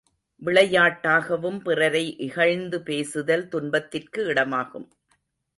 விளையாட்டாகவும் பிறரை இகழ்ந்து பேசுதல் துன்பத்திற்கு இடமாகும்.